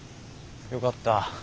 よかった。